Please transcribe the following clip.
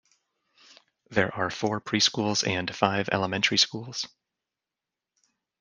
There are four preschools and five elementary schools.